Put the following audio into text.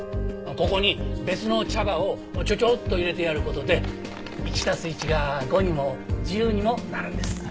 ここに別の茶葉をちょちょっと入れてやる事で１足す１が５にも１０にもなるんです。